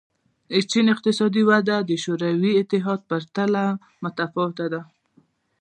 چین اقتصادي وده د شوروي اتحاد په پرتله متفاوته ده.